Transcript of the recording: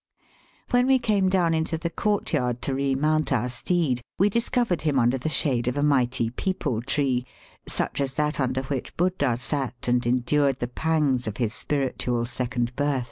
When we came down into the court yard to remount our steed, we discovered him under the shade of a mighty peepul tree, such as that under which Buddha sat and endured the pangs of his spiritual second birth.